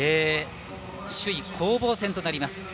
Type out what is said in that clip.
首位攻防戦となります。